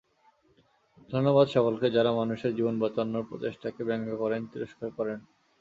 ধন্যবাদ সকলকে যাঁরা মানুষের জীবন বাঁচানোর প্রচেষ্টাকে ব্যঙ্গ করেন, তিরস্কার করেন।